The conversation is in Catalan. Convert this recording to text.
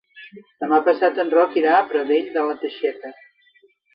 Demà passat en Roc irà a Pradell de la Teixeta.